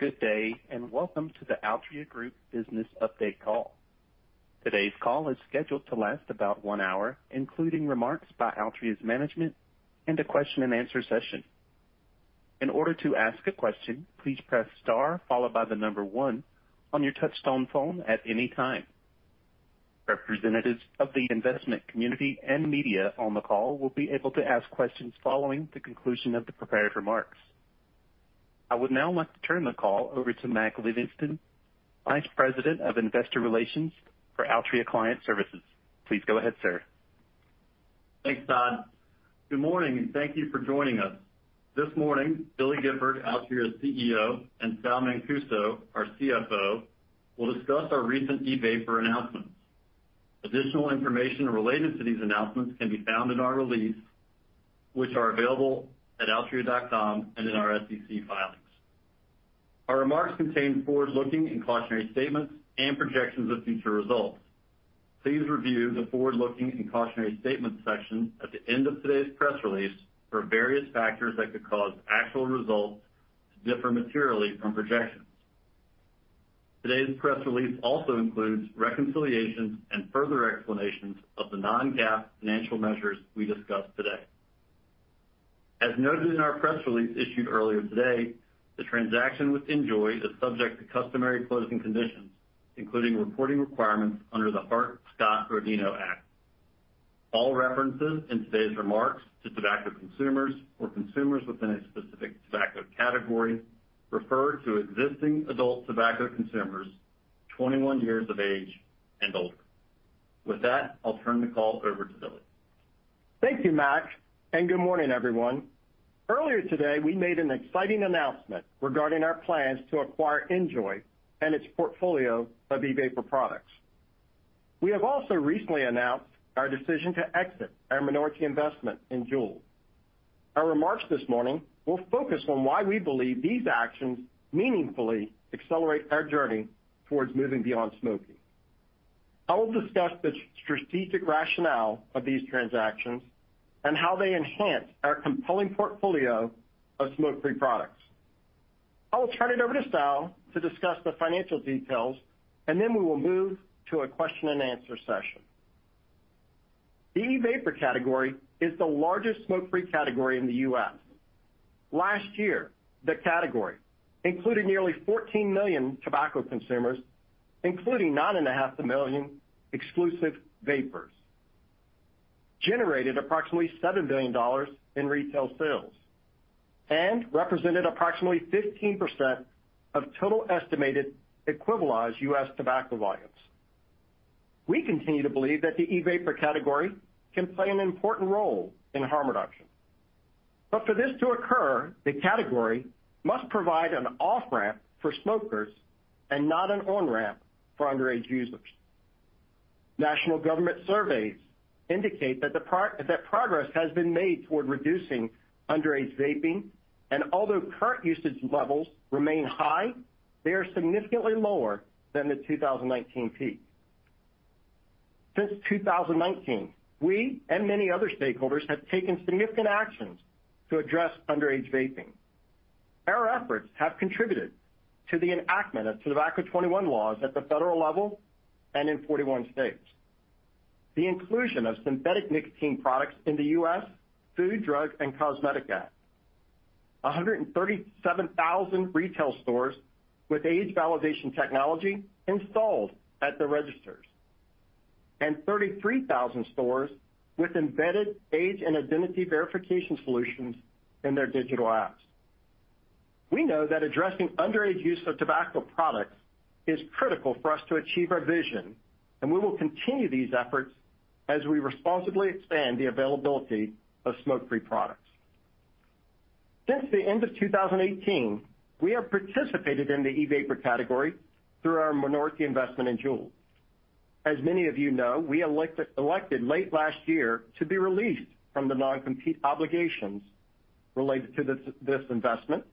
Good day. Welcome to the Altria Group Business Update Call. Today's call is scheduled to last about one hour, including remarks by Altria's management and a question-and-answer session. In order to ask a question, please press star followed by the number one on your touchtone phone at any time. Representatives of the investment community and media on the call will be able to ask questions following the conclusion of the prepared remarks. I would now like to turn the call over to Mac Livingston, Vice President of Investor Relations for Altria Client Services. Please go ahead, sir. Thanks, Todd. Good morning. Thank you for joining us. This morning, Billy Gifford, Altria's CEO, and Sal Mancuso, our CFO, will discuss our recent e-vapor announcements. Additional information related to these announcements can be found in our release, which are available at altria.com and in our SEC filings. Our remarks contain forward-looking and cautionary statements and projections of future results. Please review the Forward-Looking and Cautionary Statement section at the end of today's press release for various factors that could cause actual results to differ materially from projections. Today's press release also includes reconciliations and further explanations of the non-GAAP financial measures we discussed today. As noted in our press release issued earlier today, the transaction with NJOY is subject to customary closing conditions, including reporting requirements under the Hart-Scott-Rodino Act. All references in today's remarks to tobacco consumers or consumers within a specific tobacco category refer to existing adult tobacco consumers 21 years of age and older. With that, I'll turn the call over to Billy. Thank you, Mac, and good morning, everyone. Earlier today, we made an exciting announcement regarding our plans to acquire NJOY and its portfolio of e-vapor products. We have also recently announced our decision to exit our minority investment in Juul. Our remarks this morning will focus on why we believe these actions meaningfully accelerate our journey towards moving beyond smoking. I will discuss the strategic rationale of these transactions and how they enhance our compelling portfolio of smoke-free products. I will turn it over to Sal to discuss the financial details, and then we will move to a question-and-answer session. The e-vapor category is the largest smoke-free category in the U.S. Last year, the category, including nearly 14 million tobacco consumers, including 9.5 million exclusive vapers, generated approximately $7 billion in retail sales and represented approximately 15% of total estimated equivalized U.S. tobacco volumes. We continue to believe that the e-vapor category can play an important role in harm reduction. For this to occur, the category must provide an off-ramp for smokers and not an on-ramp for underage users. National government surveys indicate that progress has been made toward reducing underage vaping, and although current usage levels remain high, they are significantly lower than the 2019 peak. Since 2019, we and many other stakeholders have taken significant actions to address underage vaping. Our efforts contributed to the enactment of Tobacco 21 laws at the federal level and in 41 states. The inclusion of synthetic nicotine products in the U.S. Food, Drug, and Cosmetic Act. 137,000 retail stores with age validation technology installed at the registers. 33,000 stores with embedded age and identity verification solutions in their digital apps. We know that addressing underage use of tobacco products is critical for us to achieve our vision, and we will continue these efforts as we responsibly expand the availability of smoke-free products. Since the end of 2018, we have participated in the e-vapor category through our minority investment in Juul. As many of you know, we elected late last year to be released from the non-compete obligations related to this investment,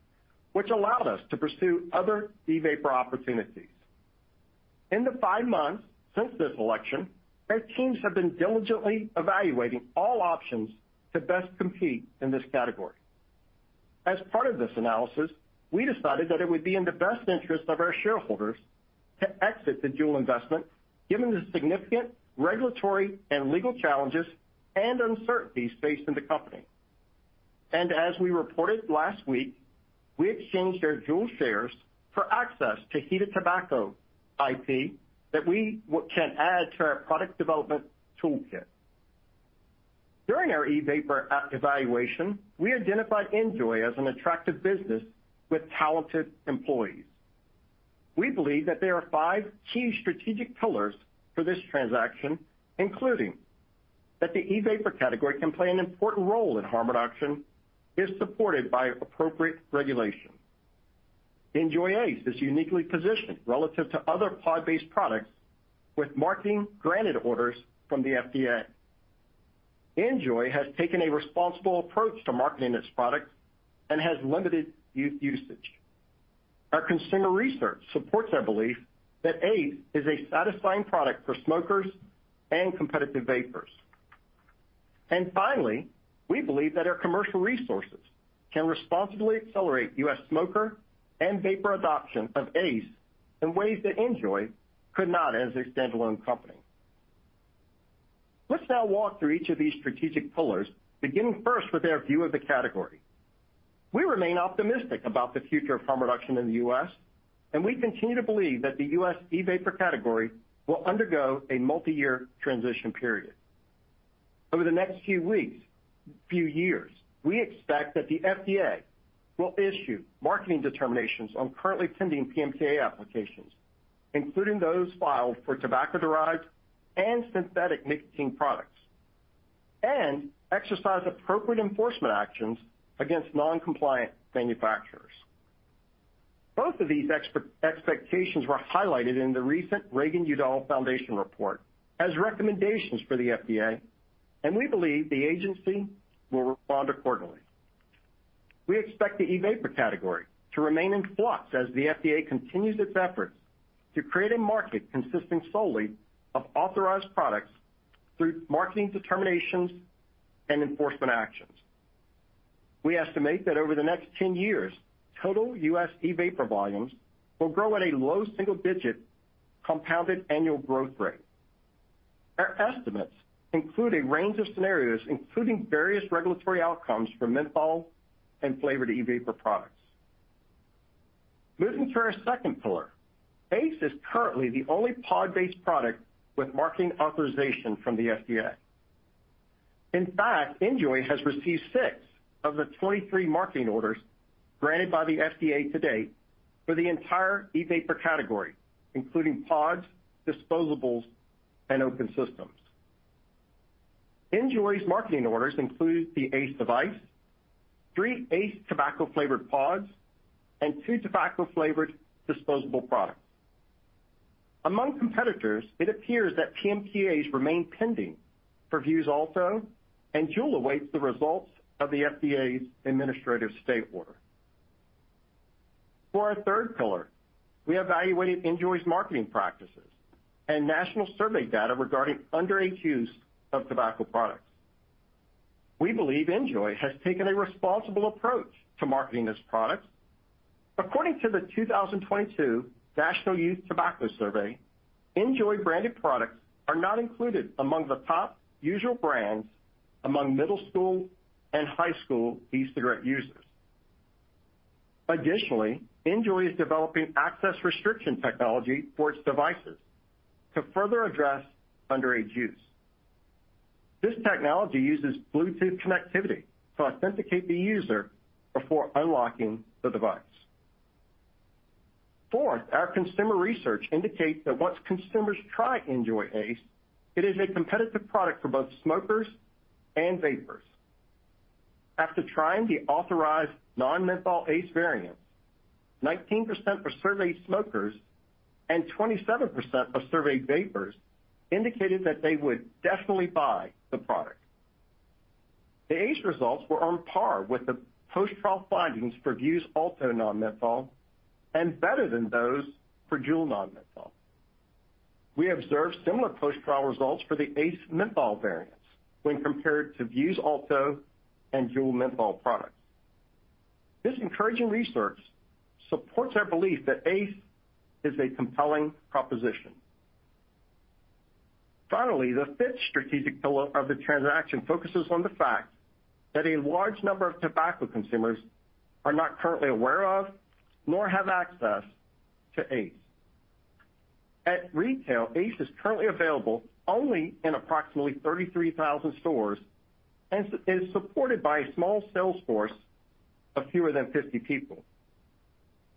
which allowed us to pursue other e-vapor opportunities. In the five months since this election, our teams have been diligently evaluating all options to best compete in this category. As part of this analysis, we decided that it would be in the best interest of our shareholders to exit the Juul investment, given the significant regulatory and legal challenges and uncertainties facing the company. As we reported last week, we exchanged our Juul shares for access to heated tobacco IP that we can add to our product development toolkit. During our e-vapor evaluation, we identified NJOY as an attractive business with talented employees. We believe that there are five key strategic pillars for this transaction, including that the e-vapor category can play an important role in harm reduction, is supported by appropriate regulation. NJOY ACE is uniquely positioned relative to other pod-based products with Marketing Granted Orders from the FDA. NJOY has taken a responsible approach to marketing its products and has limited youth usage. Our consumer research supports our belief that ACE is a satisfying product for smokers and competitive vapers. Finally, we believe that our commercial resources can responsibly accelerate U.S. smoker and vapor adoption of ACE in ways that NJOY could not as a standalone company. Let's now walk through each of these strategic pillars, beginning first with our view of the category. We remain optimistic about the future of harm reduction in the U.S., and we continue to believe that the U.S. e-vapor category will undergo a multi-year transition period. Over the next few years, we expect that the FDA will issue marketing determinations on currently pending PMTA applications, including those filed for tobacco-derived and synthetic nicotine products, and exercise appropriate enforcement actions against non-compliant manufacturers. Both of these expectations were highlighted in the recent Reagan-Udall Foundation report as recommendations for the FDA. We believe the agency will respond accordingly. We expect the e-vapor category to remain in flux as the FDA continues its efforts to create a market consisting solely of authorized products through marketing determinations and enforcement actions. We estimate that over the next 10 years, total U.S. e-vapor volumes will grow at a low single-digit compounded annual growth rate. Our estimates include a range of scenarios, including various regulatory outcomes for menthol and flavored e-vapor products. Moving to our second pillar. ACE is currently the only pod-based product with marketing authorization from the FDA. In fact, NJOY has received 6 of the 23 Marketing Granted Orders by the FDA to date for the entire e-vapor category, including pods, disposables, and open systems. NJOY's marketing orders include the ACE device, 3 ACE tobacco-flavored pods, and 2 tobacco-flavored disposable products. Among competitors, it appears that PMTAs remain pending for Vuse Alto, and JUUL awaits the results of the FDA's administrative stay order. For our third pillar, we evaluated NJOY's marketing practices and national survey data regarding underage use of tobacco products. We believe NJOY has taken a responsible approach to marketing its products. According to the 2022 National Youth Tobacco Survey, NJOY branded products are not included among the top usual brands among middle school and high school e-cigarette users. Additionally, NJOY is developing access restriction technology for its devices to further address underage use. This technology uses Bluetooth connectivity to authenticate the user before unlocking the device. Fourth, our consumer research indicates that once consumers try NJOY ACE, it is a competitive product for both smokers and vapers. After trying the authorized non-menthol ACE variants, 19% of surveyed smokers and 27% of surveyed vapers indicated that they would definitely buy the product. The ACE results were on par with the post-trial findings for Vuse Alto non-menthol and better than those for Juul non-menthol. We observed similar post-trial results for the ACE menthol variants when compared to Vuse Alto and Juul menthol products. This encouraging research supports our belief that ACE is a compelling proposition. Finally, the fifth strategic pillar of the transaction focuses on the fact that a large number of tobacco consumers are not currently aware of nor have access to ACE. At retail, ACE is currently available only in approximately 33,000 stores and is supported by a small sales force of fewer than 50 people.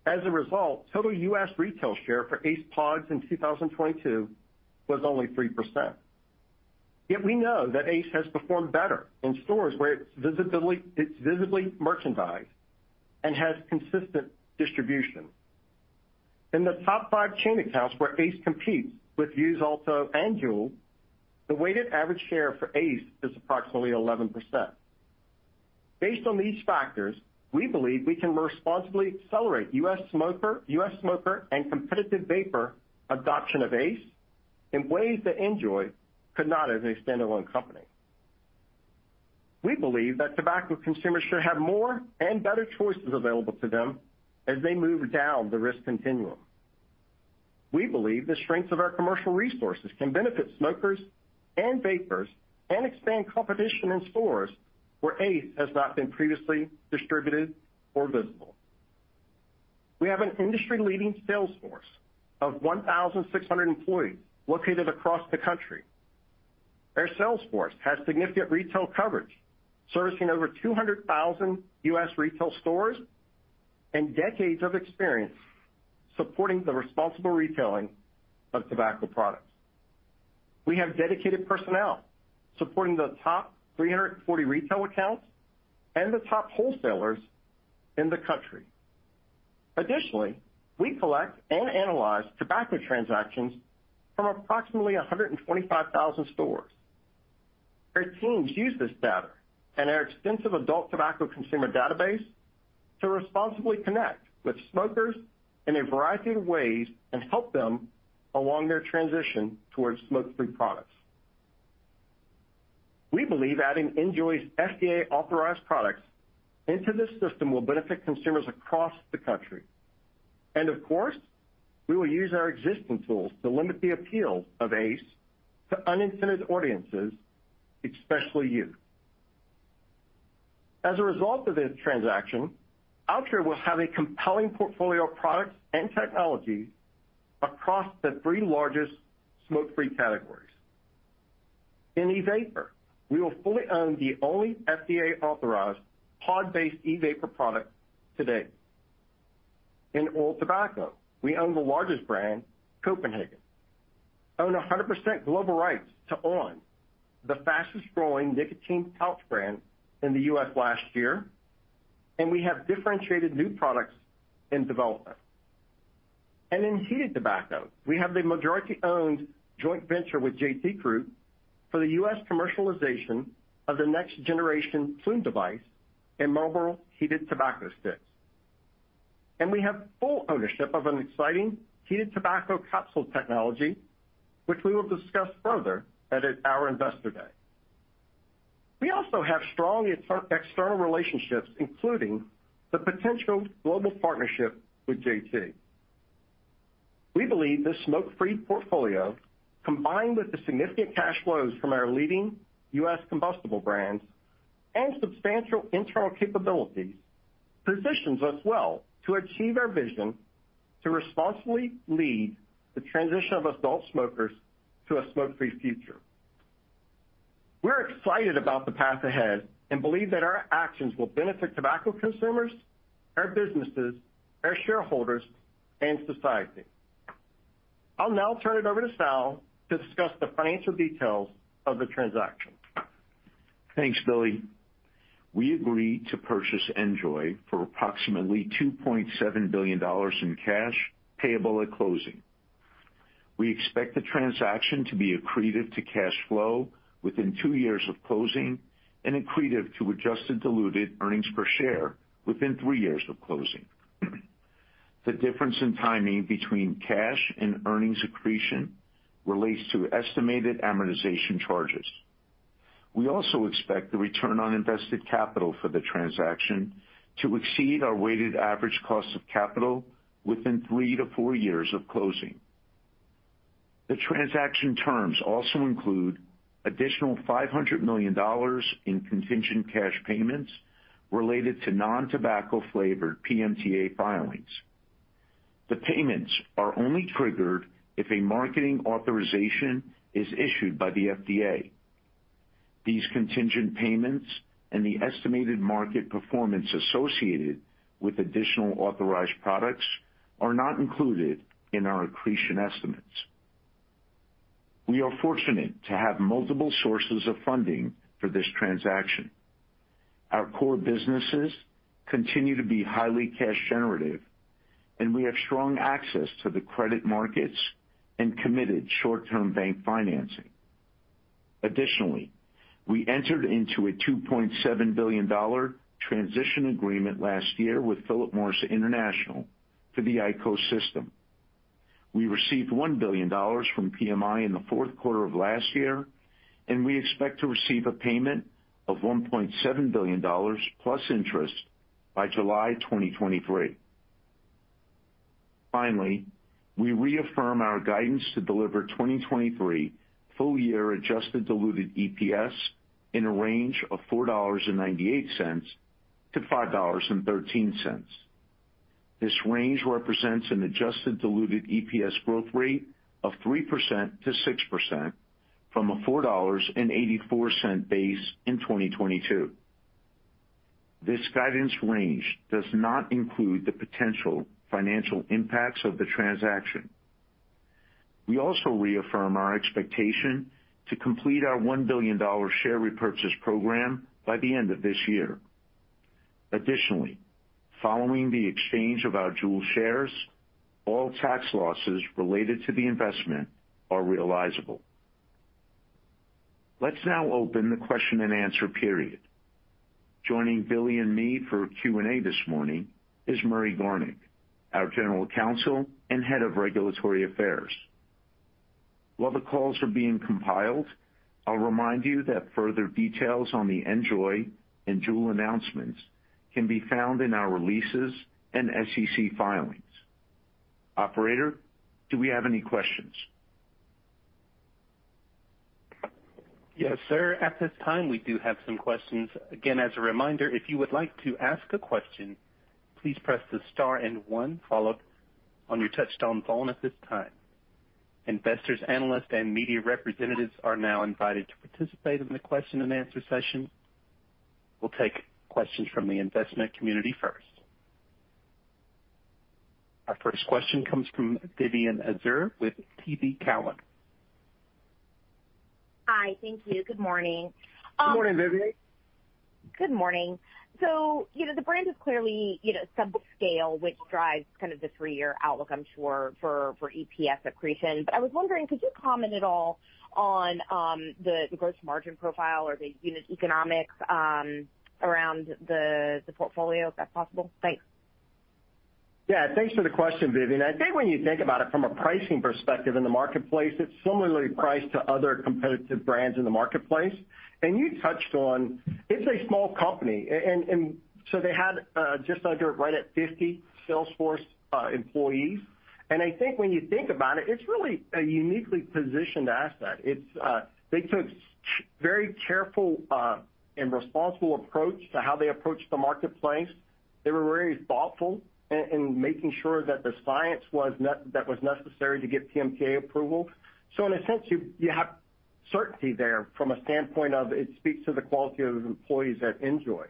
As a result, total U.S. retail share for ACE pods in 2022 was only 3%. We know that ACE has performed better in stores where it's visibly merchandised and has consistent distribution. In the top 5 chain accounts where ACE competes with Vuse Alto and Juul, the weighted average share for ACE is approximately 11%. Based on these factors, we believe we can more responsibly accelerate U.S. smoker and competitive vapor adoption of ACE in ways that NJOY could not as a standalone company. We believe that tobacco consumers should have more and better choices available to them as they move down the risk continuum. We believe the strengths of our commercial resources can benefit smokers and vapers and expand competition in stores where ACE has not been previously distributed or visible. We have an industry-leading sales force of 1,600 employees located across the country. Our sales force has significant retail coverage, servicing over 200,000 U.S. retail stores and decades of experience supporting the responsible retailing of tobacco products. We have dedicated personnel supporting the top 340 retail accounts and the top wholesalers in the country. Additionally, we collect and analyze tobacco transactions from approximately 125,000 stores. Our teams use this data and our extensive adult tobacco consumer database to responsibly connect with smokers in a variety of ways and help them along their transition towards smoke-free products. We believe adding NJOY's FDA authorized products into this system will benefit consumers across the country. Of course, we will use our existing tools to limit the appeal of ACE to unintended audiences, especially youth. As a result of this transaction, Altria will have a compelling portfolio of products and technologies across the three largest smoke-free categories. In e-vapor, we will fully own the only FDA authorized pod-based e-vapor product today. In oral tobacco, we own the largest brand, Copenhagen, own 100% global rights to on!, the fastest-growing nicotine pouch brand in the U.S. last year, and we have differentiated new products in development. In heated tobacco, we have the majority-owned joint venture with JT Group for the U.S. commercialization of the next generation Ploom device and Mevius heated tobacco sticks. We have full ownership of an exciting heated tobacco capsule technology, which we will discuss further at our Investor Day. We also have strong external relationships, including the potential global partnership with JT. We believe this smoke-free portfolio, combined with the significant cash flows from our leading U.S. combustible brands and substantial internal capabilities, positions us well to achieve our vision to responsibly lead the transition of adult smokers to a smoke-free future. We're excited about the path ahead and believe that our actions will benefit tobacco consumers, our businesses, our shareholders, and society. I'll now turn it over to Sal to discuss the financial details of the transaction. Thanks, Billy. We agreed to purchase NJOY for approximately $2.7 billion in cash payable at closing. We expect the transaction to be accretive to cash flow within 2 years of closing and accretive to adjusted diluted earnings per share within 3 years of closing. The difference in timing between cash and earnings accretion relates to estimated amortization charges. We also expect the return on invested capital for the transaction to exceed our weighted average cost of capital within 3-4 years of closing. The transaction terms also include additional $500 million in contingent cash payments related to non-tobacco flavored PMTA filings. The payments are only triggered if a Marketing Granted Orders is issued by the FDA. These contingent payments and the estimated market performance associated with additional authorized products are not included in our accretion estimates. We are fortunate to have multiple sources of funding for this transaction. Our core businesses continue to be highly cash generative, and we have strong access to the credit markets and committed short-term bank financing. Additionally, we entered into a $2.7 billion transition agreement last year with Philip Morris International for the IQOS system. We received $1 billion from PMI in the fourth quarter of last year, and we expect to receive a payment of $1.7 billion plus interest by July 2023. Finally, we reaffirm our guidance to deliver 2023 full year adjusted diluted EPS in a range of $4.98-$5.13. This range represents an adjusted diluted EPS growth rate of 3%-6% from a $4.84 base in 2022. This guidance range does not include the potential financial impacts of the transaction. We also reaffirm our expectation to complete our $1 billion share repurchase program by the end of this year. Following the exchange of our Juul shares, all tax losses related to the investment are realizable. Let's now open the question-and-answer period. Joining Billy and me for Q&A this morning is Murray Garnick, our General Counsel and Head of Regulatory Affairs. While the calls are being compiled, I'll remind you that further details on the NJOY and Juul announcements can be found in our releases and SEC filings. Operator, do we have any questions? Yes, sir. At this time, we do have some questions. Again, as a reminder, if you would like to ask a question, please press the star and one followed on your touchtone phone at this time. Investors, analysts, and media representatives are now invited to participate in the question-and-answer session. We'll take questions from the investment community first. Our first question comes from Vivien Azer with TD Cowen. Hi. Thank you. Good morning. Good morning, Vivien. Good morning. you know, the brand is clearly, you know, sub-scale, which drives kind of the three-year outlook, I'm sure, for EPS accretion. I was wondering, could you comment at all on the gross margin profile or the unit economics around the portfolio if that's possible? Thanks. Thanks for the question, Vivien. I think when you think about it from a pricing perspective in the marketplace, it's similarly priced to other competitive brands in the marketplace. You touched on it's a small company. They had just under right at 50 salesforce employees. I think when you think about it's really a uniquely positioned asset. It's. They took very careful and responsible approach to how they approached the marketplace. They were very thoughtful in making sure that the science was necessary to get PMTA approval. In a sense, you have certainty there from a standpoint of it speaks to the quality of employees at NJOY.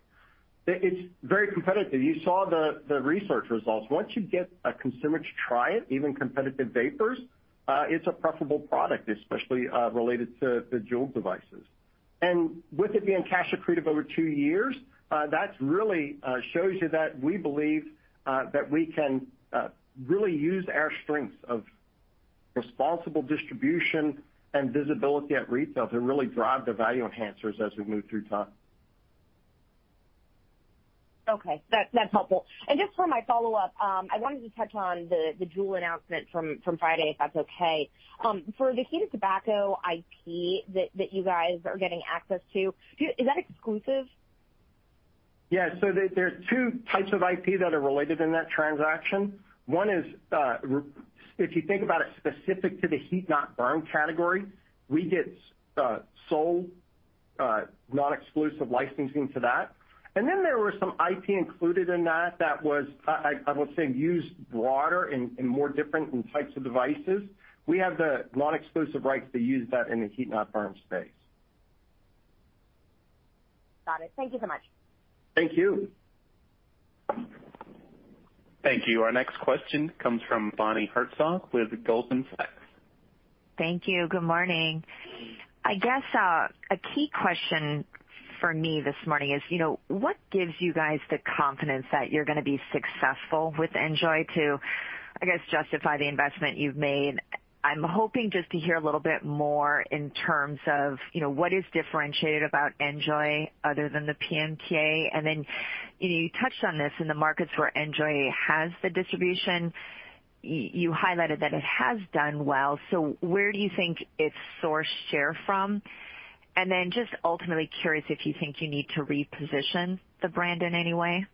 It's very competitive. You saw the research results. Once you get a consumer to try it, even competitive vapers, it's a preferable product, especially related to the Juul devices. With it being cash accretive over two years, that's really shows you that we believe that we can really use our strengths of responsible distribution and visibility at retail to really drive the value enhancers as we move through time. Okay, that's helpful. Just for my follow-up, I wanted to touch on the JUUL announcement from Friday, if that's okay. For the heated tobacco IP that you guys are getting access to, is that exclusive? There are two types of IP that are related in that transaction. One is, if you think about it, specific to the heat-not-burn category, we get sole non-exclusive licensing to that. There were some IP included in that that was, I would say, used broader in more different types of devices. We have the non-exclusive rights to use that in the heat-not-burn space. Got it. Thank you so much. Thank you. Thank you. Our next question comes from Bonnie Herzog with Goldman Sachs. Thank you. Good morning. I guess, a key question for me this morning is, you know, what gives you guys the confidence that you're gonna be successful with NJOY to, I guess, justify the investment you've made? I'm hoping just to hear a little bit more in terms of, you know, what is differentiated about NJOY other than the PMTA. You know, you touched on this in the markets where NJOY has the distribution, you highlighted that it has done well. Where do you think it's sourced share from? Just ultimately curious if you think you need to reposition the brand in any way?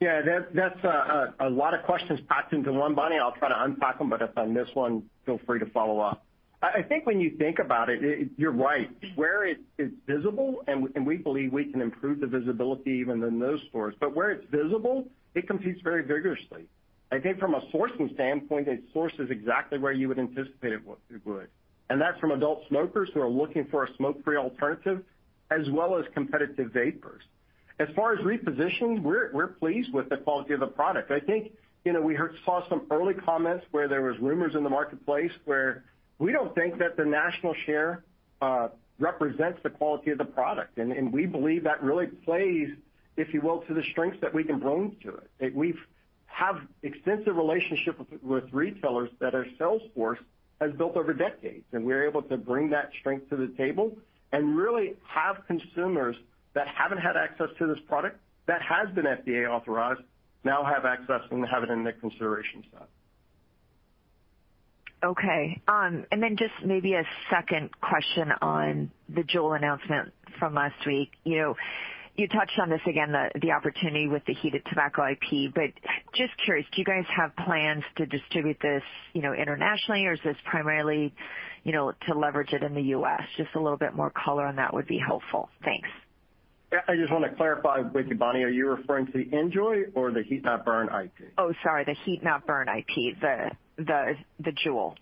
Yeah, that's a lot of questions packed into one, Bonnie. I'll try to unpack them, but if on this one feel free to follow up. I think when you think about it, you're right. Where it's visible and we believe we can improve the visibility even in those stores, but where it's visible, it competes very vigorously. I think from a sourcing standpoint, it sources exactly where you would anticipate it would. That's from adult smokers who are looking for a smoke-free alternative, as well as competitive vapers. As far as reposition, we're pleased with the quality of the product. I think, you know, we saw some early comments where there was rumors in the marketplace where we don't think that the national share represents the quality of the product. We believe that really plays, if you will, to the strengths that we can bring to it. We've have extensive relationship with retailers that our sales force has built over decades, and we're able to bring that strength to the table and really have consumers that haven't had access to this product that has been FDA authorized now have access and have it in their consideration set. Okay. Just maybe a second question on the Juul announcement from last week. You know, you touched on this again, the opportunity with the heated tobacco IP. Just curious, do you guys have plans to distribute this, you know, internationally, or is this primarily, you know, to leverage it in the U.S.? Just a little bit more color on that would be helpful. Thanks. Yeah. I just wanna clarify with you, Bonnie. Are you referring to the NJOY or the heat-not-burn IP? Oh, sorry, the heat-not-burn IP, the JUUL.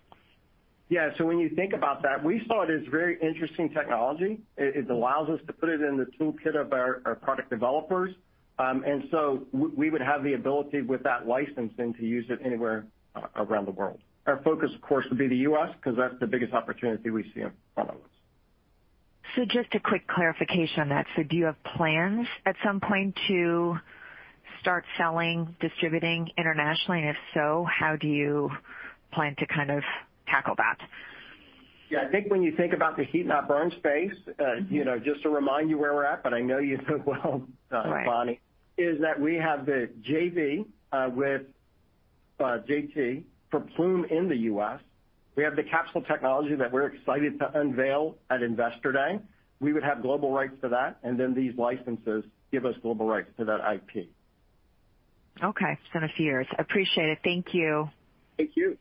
Yeah. When you think about that, we saw it as very interesting technology. It allows us to put it in the toolkit of our product developers. We would have the ability with that licensing to use it anywhere around the world. Our focus, of course, would be the US because that's the biggest opportunity we see in front of us. Just a quick clarification on that. Do you have plans at some point to start selling, distributing internationally? If so, how do you plan to kind of tackle that? Yeah. I think when you think about the heat-not-burn space, you know, just to remind you where we're at, but I know you know well, Bonnie- Right is that we have the JV with JT for Ploom in the U.S. We have the capsule technology that we're excited to unveil at Investor Day. We would have global rights to that, and then these licenses give us global rights to that IP. Okay. Understood. Appreciate it. Thank you. Thank you.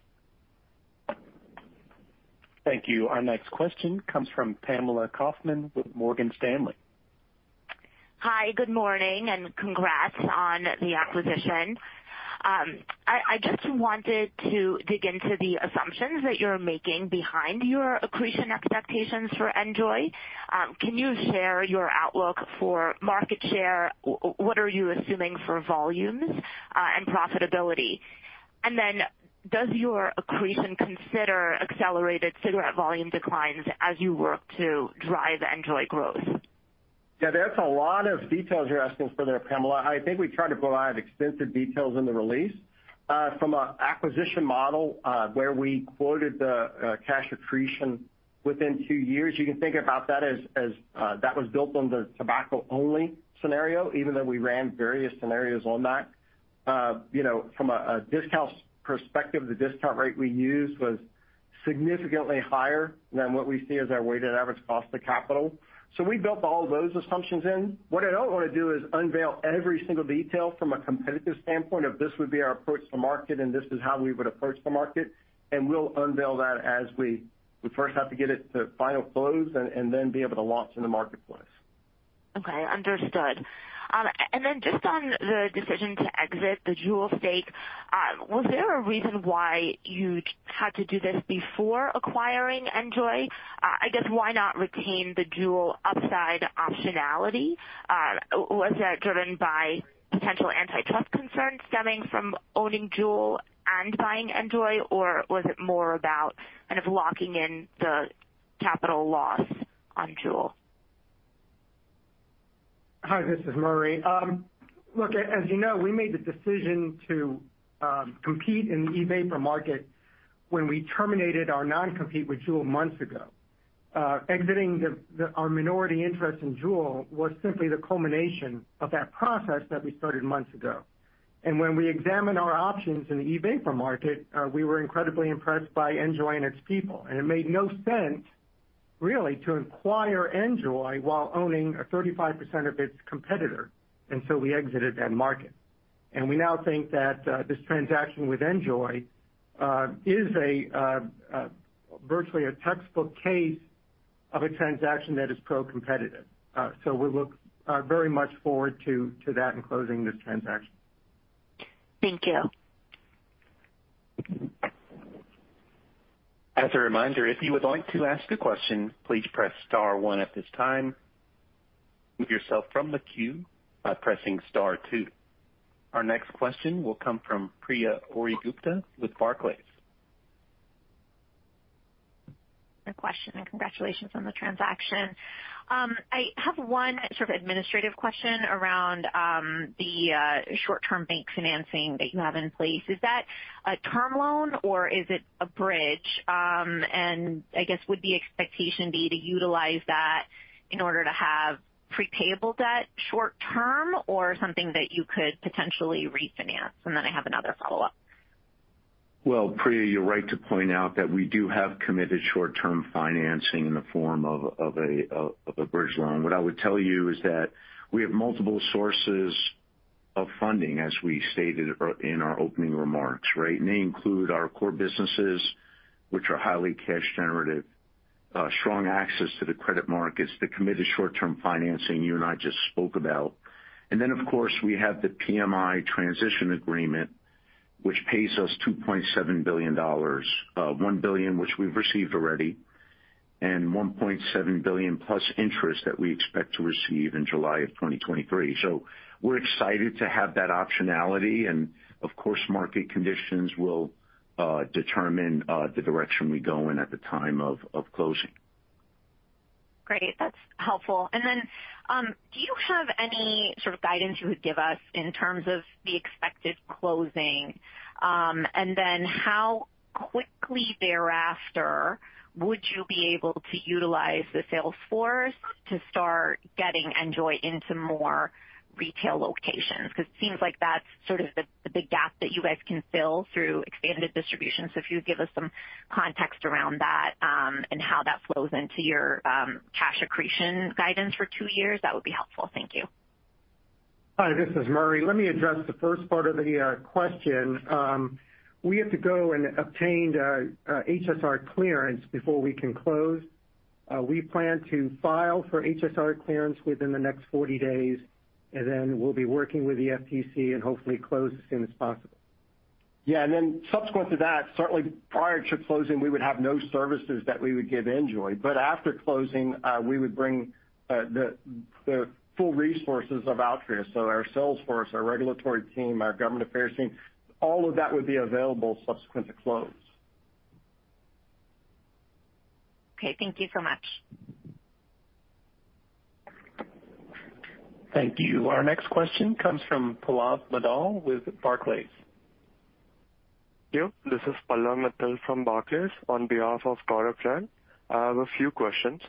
Thank you. Our next question comes from Pamela Kaufman with Morgan Stanley. Hi. Good morning. Congrats on the acquisition. I just wanted to dig into the assumptions that you're making behind your accretion expectations for NJOY. Can you share your outlook for market share? What are you assuming for volumes, and profitability? Does your accretion consider accelerated cigarette volume declines as you work to drive NJOY growth? Yeah, that's a lot of details you're asking for there, Pamela. I think we tried to provide extensive details in the release. From a acquisition model, where we quoted the cash accretion within two years, you can think about that as that was built on the tobacco-only scenario, even though we ran various scenarios on that. You know, from a discount perspective, the discount rate we used was significantly higher than what we see as our weighted average cost of capital. We built all those assumptions in. What I don't wanna do is unveil every single detail from a competitive standpoint of this would be our approach to market, this is how we would approach the market, and we'll unveil that as we first have to get it to final close and then be able to launch in the marketplace. Okay, understood. Just on the decision to exit the Juul stake, was there a reason why you had to do this before acquiring NJOY? I guess why not retain the Juul upside optionality? Was that driven by potential antitrust concerns stemming from owning Juul and buying NJOY, or was it more about kind of locking in the capital loss on Juul? Hi, this is Murray. Look, as you know, we made the decision to compete in the e-vapor market when we terminated our non-compete with Juul months ago. Exiting our minority interest in Juul was simply the culmination of that process that we started months ago. When we examined our options in the e-vapor market, we were incredibly impressed by NJOY and its people. It made no sense really to acquire NJOY while owning 35% of its competitor, and so we exited that market. We now think that this transaction with NJOY is virtually a textbook case of a transaction that is pro-competitive. We look very much forward to that in closing this transaction. Thank you. As a reminder, if you would like to ask a question, please press star one at this time. Move yourself from the queue by pressing star two. Our next question will come from Priya Ohri-Gupta with Barclays. My question, congratulations on the transaction. I have one sort of administrative question around the short-term bank financing that you have in place. Is that a term loan or is it a bridge? I guess would the expectation be to utilize that in order to have pre-payable debt short term or something that you could potentially refinance? I have another follow-up. Well, Priya, you're right to point out that we do have committed short-term financing in the form of a bridge loan. What I would tell you is that we have multiple sources of funding, as we stated in our opening remarks, right? They include our core businesses, which are highly cash generative, strong access to the credit markets, the committed short-term financing you and I just spoke about. Of course, we have the PMI transition agreement, which pays us $2.7 billion, $1 billion, which we've received already, and $1.7 billion plus interest that we expect to receive in July of 2023. We're excited to have that optionality and of course, market conditions will determine the direction we go in at the time of closing. Great. That's helpful. Do you have any sort of guidance you would give us in terms of the expected closing? How quickly thereafter would you be able to utilize the sales force to start getting NJOY into more retail locations? It seems like that's sort of the big gap that you guys can fill through expanded distribution. If you would give us some context around that, and how that flows into your cash accretion guidance for 2 years, that would be helpful. Thank you. Hi, this is Murray. Let me address the first part of the question. We have to go and obtain the HSR clearance before we can close. We plan to file for HSR clearance within the next 40 days, and then we'll be working with the FTC and hopefully close as soon as possible. Yeah, subsequent to that, certainly prior to closing, we would have no services that we would give NJOY. After closing, we would bring the full resources of Altria. Our sales force, our regulatory team, our government affairs team, all of that would be available subsequent to close. Okay, thank you so much. Thank you. Our next question comes from Pallav Mittal with Barclays. Thank you. This is Pallav Mittal from Barclays on behalf of Gaurav Jain. I have a few questions.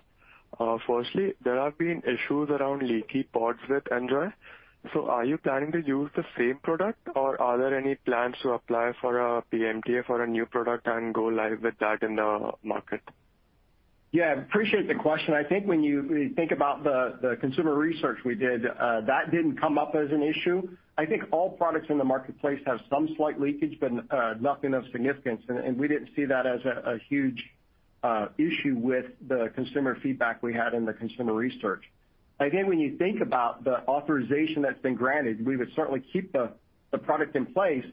Firstly, there have been issues around leaky pods with NJOY. Are you planning to use the same product, or are there any plans to apply for a PMTA for a new product and go live with that in the market? Yeah, appreciate the question. I think when you think about the consumer research we did, that didn't come up as an issue. I think all products in the marketplace have some slight leakage, but nothing of significance. We didn't see that as a huge issue with the consumer feedback we had in the consumer research. Again, when you think about the authorization that's been granted, we would certainly keep the product in place.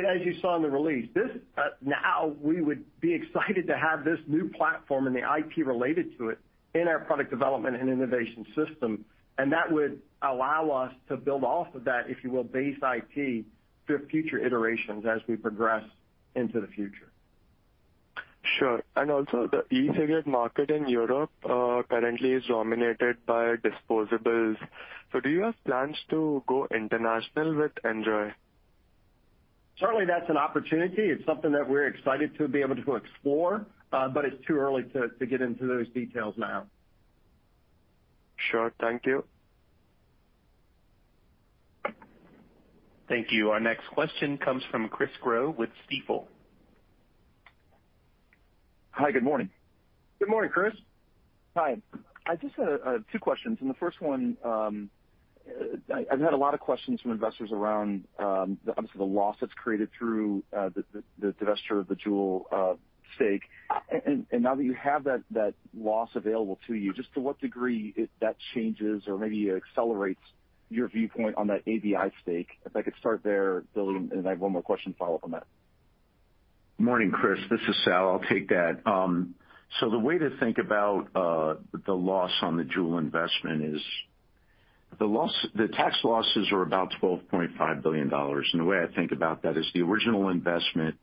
As you saw in the release, this now we would be excited to have this new platform and the IP related to it in our product development and innovation system. That would allow us to build off of that, if you will, base IP for future iterations as we progress into the future. Sure. The e-cigarette market in Europe currently is dominated by disposables. Do you have plans to go international with NJOY? Certainly, that's an opportunity. It's something that we're excited to be able to explore, but it's too early to get into those details now. Sure. Thank you. Thank you. Our next question comes from Chris Growe with Stifel. Hi. Good morning. Good morning, Chris. Hi. I just had 2 questions. The first one, I've had a lot of questions from investors around, obviously the loss that's created through the divestiture of the Juul stake. Now that you have that loss available to you, just to what degree that changes or maybe accelerates your viewpoint on that ABI stake? If I could start there, Billy, I have 1 more question to follow up on that. Morning, Chris. This is Sal, I'll take that. The way to think about the loss on the Juul investment is the tax losses are about $12.5 billion. The way I think about that is the original investment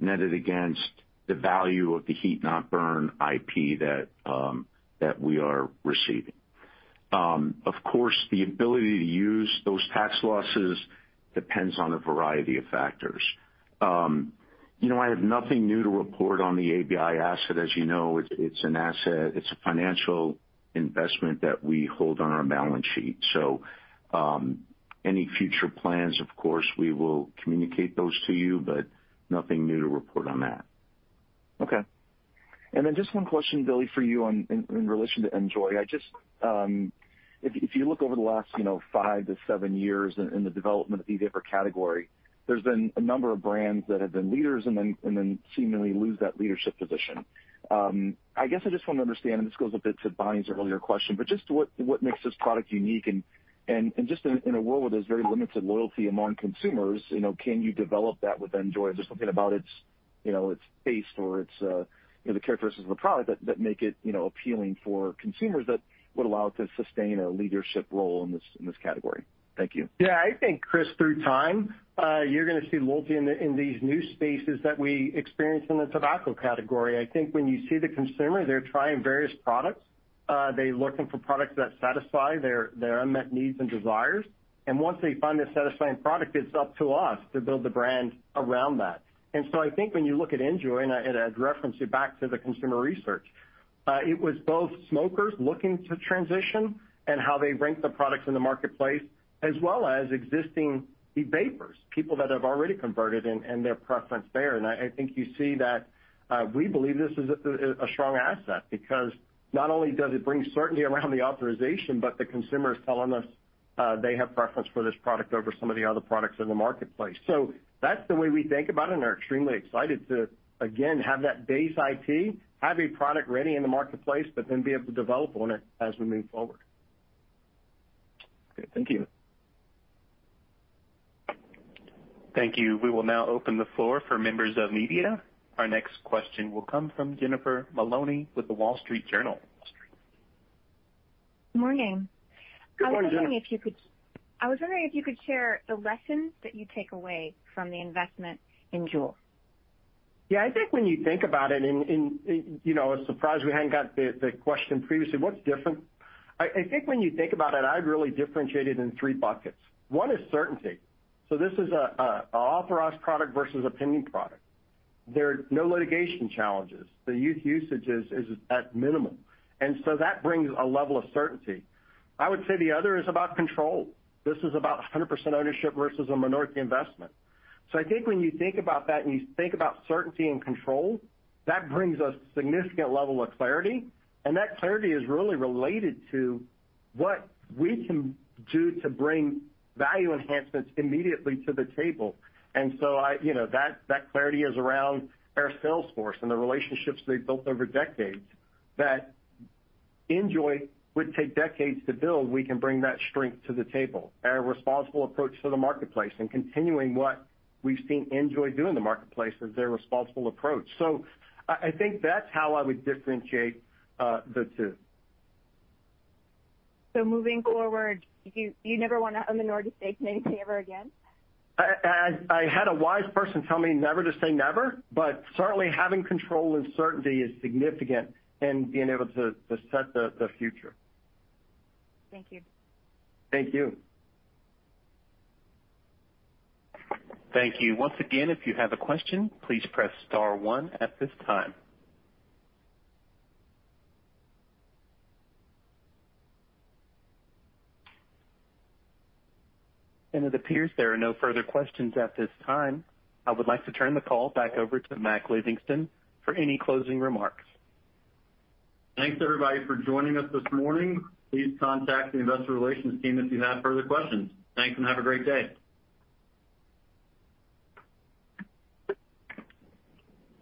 netted against the value of the heat-not-burn IP that we are receiving. Of course, the ability to use those tax losses depends on a variety of factors. You know, I have nothing new to report on the ABI asset. As you know, it's an asset, it's a financial investment that we hold on our balance sheet. Any future plans, of course, we will communicate those to you, but nothing new to report on that. Okay. Then just one question, Billy, for you in relation to NJOY. I just, if you look over the last, you know, five to seven years in the development of the e-vapor category, there's been a number of brands that have been leaders and then seemingly lose that leadership position. I guess I just want to understand, and this goes a bit to Bonnie's earlier question, but just what makes this product unique and just in a world where there's very limited loyalty among consumers, you know, can you develop that with NJOY? Just something about its, you know, its taste or its, you know, the characteristics of the product that make it, you know, appealing for consumers that would allow it to sustain a leadership role in this, in this category. Thank you. I think, Chris, through time, you're gonna see loyalty in these new spaces that we experience in the tobacco category. When you see the consumer, they're trying various products, they're looking for products that satisfy their unmet needs and desires. Once they find a satisfying product, it's up to us to build the brand around that. I think when you look at NJOY, and I'd reference you back to the consumer research, it was both smokers looking to transition and how they rank the products in the marketplace, as well as existing e-vapers, people that have already converted and their preference there. I think you see that, we believe this is a strong asset because not only does it bring certainty around the authorization, but the consumer is telling us, they have preference for this product over some of the other products in the marketplace. That's the way we think about it, and we're extremely excited to again have that base IP, have a product ready in the marketplace, but then be able to develop on it as we move forward. Thank you. Thank you. We will now open the floor for members of media. Our next question will come from Jennifer Maloney with The Wall Street Journal. Morning. Good morning, Jennifer. I was wondering if you could share the lessons that you take away from the investment in Juul. I think when you think about it, you know, surprised we hadn't got the question previously, what's different? I think when you think about it, I'd really differentiate it in 3 buckets. One is certainty. This is a authorized product versus a pending product. There are no litigation challenges. The youth usage is at minimum, that brings a level of certainty. I would say the other is about control. This is about 100% ownership versus a minority investment. I think when you think about that and you think about certainty and control, that brings a significant level of clarity. That clarity is really related to what we can do to bring value enhancements immediately to the table. I... you know, that clarity is around our sales force and the relationships they've built over decades that NJOY would take decades to build. We can bring that strength to the table and a responsible approach to the marketplace, and continuing what we've seen NJOY do in the marketplace as their responsible approach. I think that's how I would differentiate the two. moving forward, you never want a minority stake in anything ever again? I had a wise person tell me never to say never, but certainly having control and certainty is significant in being able to set the future. Thank you. Thank you. Thank you. Once again, if you have a question, please press star one at this time. It appears there are no further questions at this time. I would like to turn the call back over to Mac Livingston for any closing remarks. Thanks, everybody, for joining us this morning. Please contact the investor relations team if you have further questions. Thanks, and have a great day.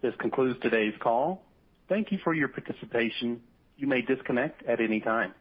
This concludes today's call. Thank you for your participation. You may disconnect at any time.